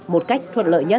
một cách thuận lợi nhất